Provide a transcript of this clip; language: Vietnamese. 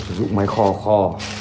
sử dụng máy kho kho